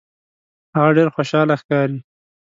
هغه ډیر خوشحاله ښکاري.